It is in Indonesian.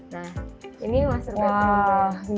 nah ini master bedroomnya